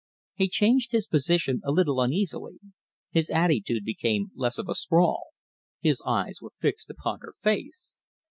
He changed his position a little uneasily. His attitude became less of a sprawl. His eyes were fixed upon her face.